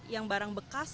yang barang bekas